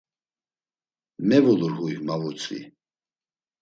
“Mevulur huy?” ma vutzvi.